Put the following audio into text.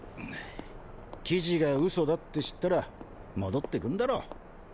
記事が嘘だって知ったら戻ってくんだろ。